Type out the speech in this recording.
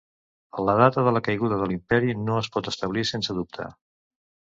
La data de la caiguda de l'Imperi no es pot establir sense dubte.